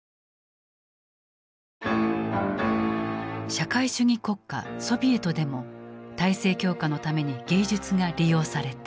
社会主義国家ソビエトでも体制強化のために芸術が利用された。